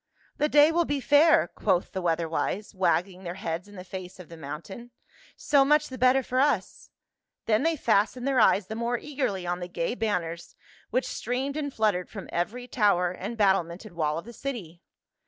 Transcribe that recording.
"The day will be fair," quoth the weather wise, wagging their heads in the face of the mountain. " So much the better for us." Then they fastened their eyes the more eagerly on the gay banners which streamed and fluttered from every tower and battle 144 PA UL. merited wall of the city.